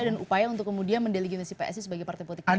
dan upaya untuk kemudian mendeligitimasi psi sebagai partai politik indonesia